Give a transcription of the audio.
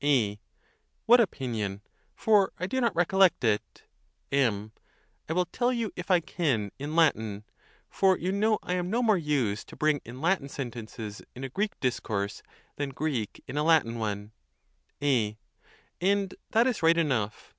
A; What opinion? for I do not recollect it. M. J will tell you if I can in Latin; for you know I am no more used to bring in Latin sentences in a Greek dis course than Greek in a Latin one, ; A, And thatis right enough.